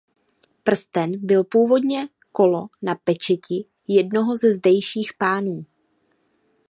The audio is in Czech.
Prsten byl původně kolo na pečeti jednoho ze zdejších pánů.